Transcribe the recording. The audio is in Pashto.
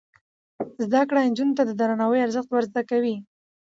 زده کړه نجونو ته د درناوي ارزښت ور زده کوي.